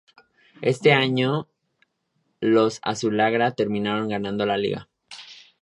Ese año, los azulgrana terminaron ganando la liga.